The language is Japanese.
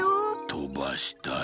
とばしたい。